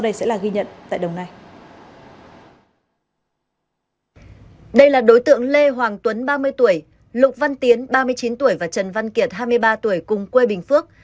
đây là đối tượng lê hoàng tuấn ba mươi tuổi lục văn tiến ba mươi chín tuổi và trần văn kiệt hai mươi ba tuổi cùng quê bình phước